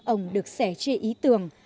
ông được sẻ chia ý tưởng